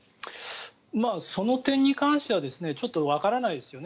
その点に関してはちょっとわからないですよね。